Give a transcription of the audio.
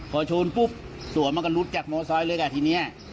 พอโจรปุ๊บตัวมันก็หลุดจากมอเซ้าเลยค่ะทีนี้